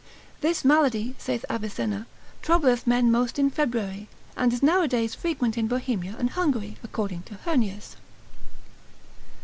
This malady, saith Avicenna, troubleth men most in February, and is nowadays frequent in Bohemia and Hungary, according to Heurnius.